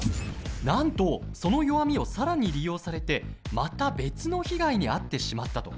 なんとその弱みをさらに利用されてまた別の被害に遭ってしまったと。